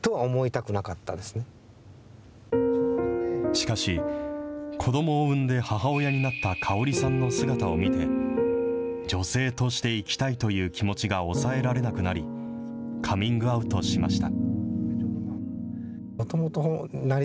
しかし、子どもを産んで母親になった香織さんの姿を見て、女性として生きたいという気持ちが抑えられなくなり、カミングアウトしました。